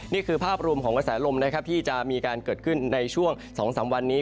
นี่คือภาพรวมของกระแสลมนะครับที่จะมีการเกิดขึ้นในช่วง๒๓วันนี้